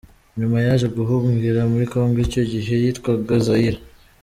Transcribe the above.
Nyuma yaje guhungira muri Congo icyo gihe yitwaga Zaïre .